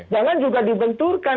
jangan juga dibenturkan